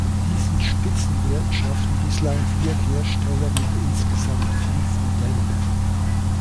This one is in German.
Diesen Spitzenwert schaffen bislang vier Hersteller mit insgesamt fünf Modellen.